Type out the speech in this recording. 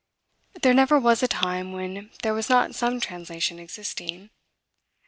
There never was a time when there was not some translation existing.